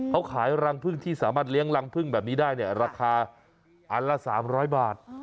เขาขายรังพึ่งที่สามารถเลี้ยงรังพึ่งแบบนี้ได้เนี่ยราคาอันละ๓๐๐บาท